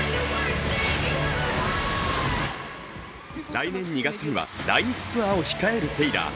来年２月には来日ツアーを控えるテイラー。